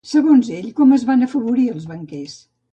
Segons ell, com es van afavorir els banquers?